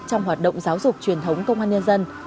trong hoạt động giáo dục truyền thống công an nhân dân